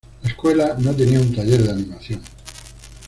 La escuela no tenía un taller de animación.